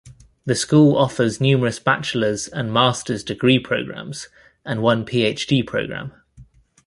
The school offers numerous bachelor's and master's degree programs, and one Ph.D. program.